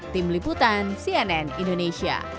tim liputan cnn indonesia